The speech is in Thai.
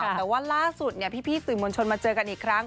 แต่ว่าล่าสุดพี่สื่อมวลชนมาเจอกันอีกครั้ง